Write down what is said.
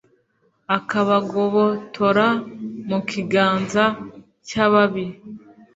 akabagobotora mu kiganza cy'ababi